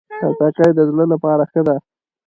خټکی د زړه لپاره ښه ده.